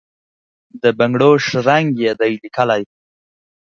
د بنګړو شرنګ یې دی لېکلی،